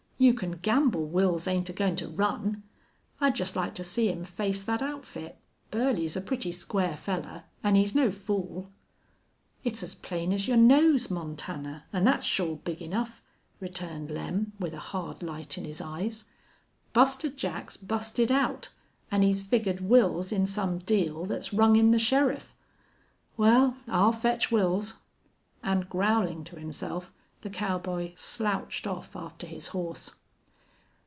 "You can gamble Wils ain't agoin' to run. I'd jest like to see him face thet outfit. Burley's a pretty square fellar. An' he's no fool." "It's as plain as your nose, Montana, an' thet's shore big enough," returned Lem, with a hard light in his eyes. "Buster Jack's busted out, an' he's figgered Wils in some deal thet's rung in the sheriff. Wal, I'll fetch Wils." And, growling to himself, the cowboy slouched off after his horse.